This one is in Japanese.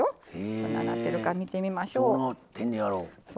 どんなになってるか見てみましょう。